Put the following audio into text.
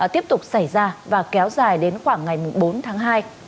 tiếp tục xảy ra và kéo dài đến khoảng ngày bốn tháng hai